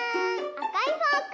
あかいフォーク！